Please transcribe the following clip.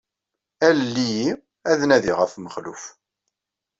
Alel-iyi ad nadiɣ ɣef Mexluf.